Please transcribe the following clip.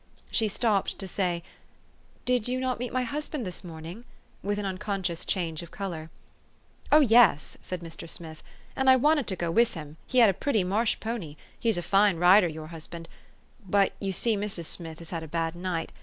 She stopped to say, 4 ' Did you not meet my husband this morning ?'' with an unconscious change of color. " Oh, yes !" said Mr. Smith ;" and I wanted to go with him : he had a pretty marsh pony. He's a fine rider, your husband. But you see, Mrs. Smith has had a bad night.